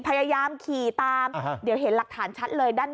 พยายามขี่ตามลักฐานเดียวเห็นชัดเลย